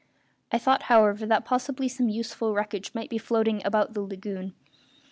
I thought, however, that possibly some useful wreckage might be floating about in the lagoon.